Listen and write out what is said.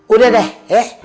udah deh eh